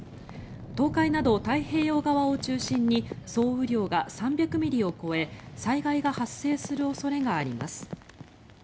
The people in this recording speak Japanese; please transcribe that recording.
東海など太平洋側を中心に総雨量が３００ミリを超え災害が発生する恐れがあります。